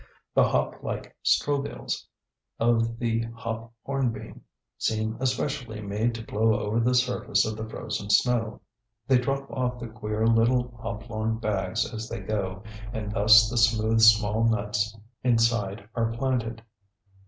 The hop like strobiles of the hop hornbeam seem especially made to blow over the surface of the frozen snow; they drop off the queer little oblong bags as they go and thus the smooth small nuts inside are planted.